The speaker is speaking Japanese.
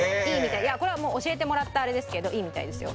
これは教えてもらったあれですけどいいみたいですよ。